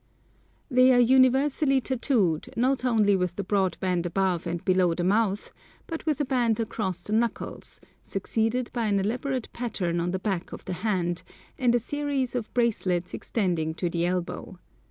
They are universally tattooed, not only with the broad band above and below the mouth, but with a band across the knuckles, succeeded by an elaborate pattern on the back of the hand, and a series of bracelets extending to the elbow.